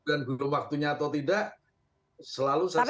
nah soal gibran belum waktunya atau tidak selalu saya sampai